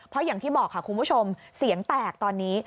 เพราะอย่างที่บอกค่ะคุณผู้ชมเสียงแตกตอนนี้